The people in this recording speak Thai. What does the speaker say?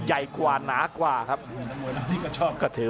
อัศวินาศาสตร์